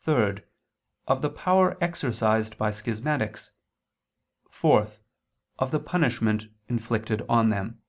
(3) Of the power exercised by schismatics; (4) Of the punishment inflicted on them.